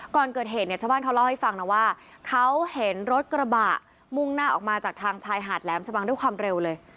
ก่อนเกิดเหตุเนี่ยชาวบ้านเขาเล่าให้ฟังนะว่าเขาเห็นรถกระบะมุ่งหน้าออกมาจากทางชายหาดแหลมชะบังด้วยความเร็วเลย